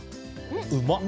うまっ。